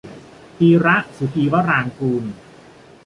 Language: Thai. ธีระ สุธีวรางกูร